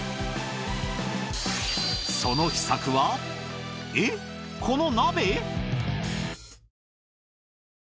その秘策はえっこの鍋！？